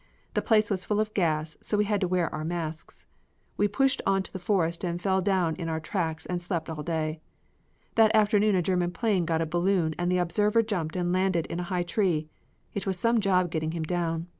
The place was full of gas, so we had to wear our masks. We pushed on to the forest and fell down in our tracks and slept all day. That afternoon a German plane got a balloon and the observer jumped and landed in a high tree. It was some job getting him down.